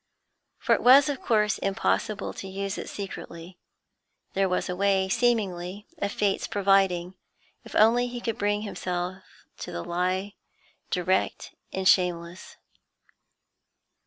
For it was of course impossible to use it secretly. There was a way, seemingly of fate's providing. If only he could bring himself to the lie direct and shameless.